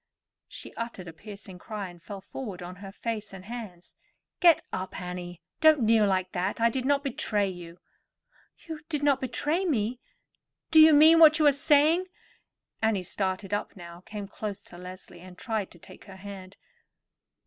She uttered a piercing cry, and fell forward on her face and hands. "Get up, Annie; don't kneel like that. I did not betray you." "You did not betray me? Do you mean what you are saying?" Annie started up now, came close to Leslie, and tried to take her hand.